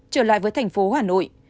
trở lại với thành phố hà nội